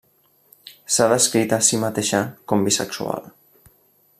S'ha descrit a si mateixa com bisexual.